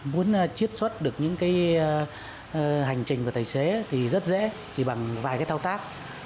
muốn chiết xuất được những cái hành trình của tài xế thì rất dễ chỉ bằng vài cái thao tác